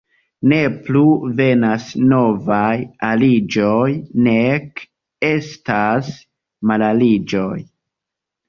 Ne plu venas novaj aliĝoj, nek estas malaliĝoj.